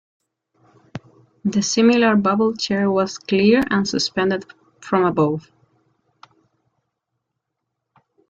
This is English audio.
The similar Bubble Chair was clear and suspended from above.